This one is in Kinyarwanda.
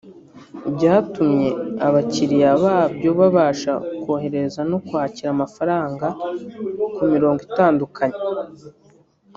byatumye abakiriya babyo babasha kohereza no kwakira amafaranga ku mirongo itandukanye